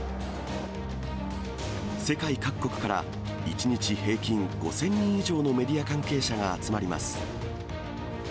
世界各国から、１日平均５０００人以上のメディア関係者が集まります。